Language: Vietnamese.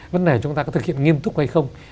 vấn đề chúng ta có thực hiện nghiêm túc hay không